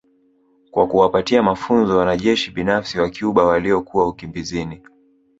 kwa kuwapatia mafunzo wanajeshi binafsi wa Cuba waliokuwa ukimbizini